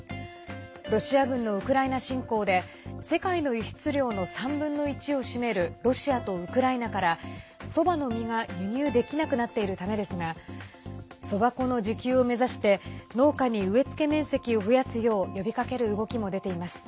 ロシア軍のウクライナ侵攻で世界の輸出量の３分の１を占めるロシアとウクライナからそばの実が輸入できなくなっているためですがそば粉の自給を目指して農家に植え付け面積を増やすよう呼びかける動きも出ています。